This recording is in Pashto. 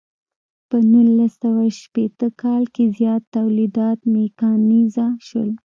په نولس سوه شپیته کال کې زیات تولیدات میکانیزه شول.